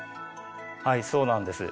はいそうなんです。